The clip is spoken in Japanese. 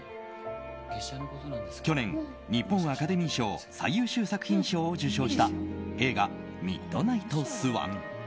去年、日本アカデミー賞最優秀作品賞を受賞した映画「ミッドナイトスワン」。